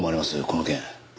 この件。